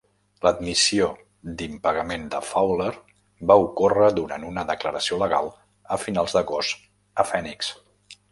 L'admissió d'impagament de Fowler va ocórrer durant una declaració legal a finals d'agost a Fènix.